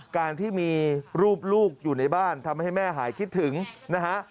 การที่มีรูปลูกอยู่ในบ้านทำให้แม่หายคิดถึงนะฮะ